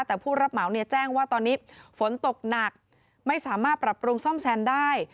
แต่ผู้รับเหมาเนี่ยแจ้งว่าตอนนี้ฝนตกหนักไม่สามารถปรับปรุงซ่อมแซมได้